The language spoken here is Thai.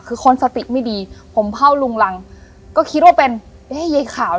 คือคนสติไม่ดีผมเผ่าลุงรังก็คิดว่าเป็นเอ๊ะยายขาว